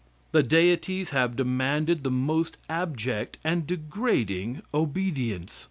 The deities have demanded the most abject and degrading obedience.